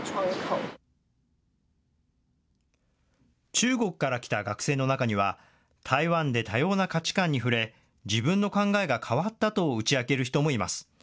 中国から来た学生の中には、台湾で多様な価値観に触れ、自分の考えが変わったと打ち明ける人もいます。